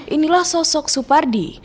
inilah sosok supardi